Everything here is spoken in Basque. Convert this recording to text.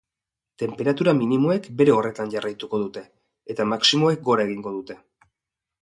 Tenperatura minimoek bere horretan jarraituko dute, eta maximoek gora egingo dute.